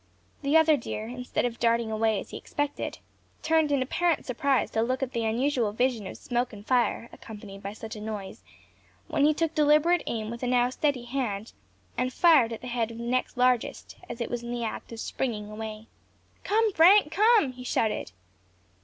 The other deer, instead of darting away, as he expected, turned in apparent surprise to look at the unusual vision of smoke and fire, accompanied by such a noise, when he took deliberate aim with a now steady hand, and fired at the head of the next largest, as it was in the act of springing away. "Come, Frank! come!" he shouted.